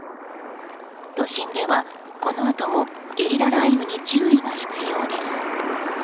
都心ではこのあともゲリラ雷雨に注意が必要です。